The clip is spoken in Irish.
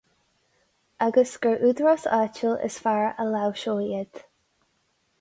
Agus gur údarás áitiúil is fearr a láimhseodh iad.